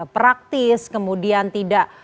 praktis kemudian tidak